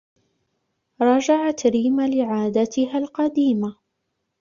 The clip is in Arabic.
رجعت ريمة لعادتها القديمة